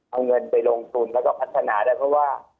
เอาเงินไปลงทุนแล้วก็พัฒนาได้เพราะว่า